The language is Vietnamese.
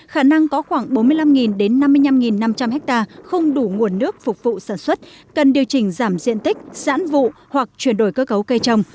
khả năng có khoảng bốn mươi năm đến năm mươi năm năm trăm linh ha không đủ nguồn nước phục vụ sản xuất cần điều chỉnh giảm diện tích giãn vụ hoặc chuyển đổi cơ cấu cây trồng